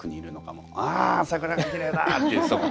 「あ桜がきれいだ！」っていう人が。